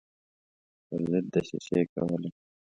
پر ضد دسیسې کولې.